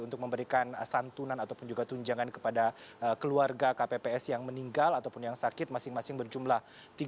untuk memberikan santunan ataupun juga tunjangan kepada keluarga kpps yang meninggal ataupun yang sakit masing masing berjumlah tiga